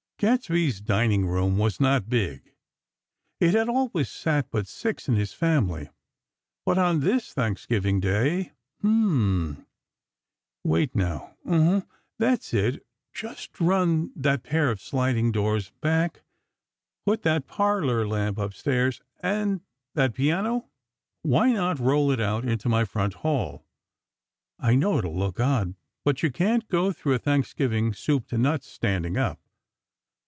Gadsby's dining room was not big; it had always sat but six in his family. But, on this Thanksgiving Day, hmmm! "Wait, now uh huh, that's it. Just run that pair of sliding doors back, put that parlor lamp upstairs; and that piano? Why not roll it out into my front hall? I know it will look odd, but you can't go through a Thanksgiving 'soup to nuts' standing up.